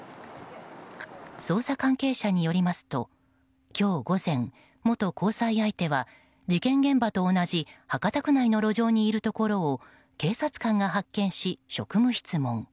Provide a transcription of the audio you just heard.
捜査関係者によりますと今日午前元交際相手は、事件現場と同じ博多区内の路上にいるところを警察官が発見し、職務質問。